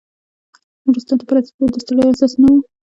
نورستان ته په رسېدو د ستړیا احساس نه و.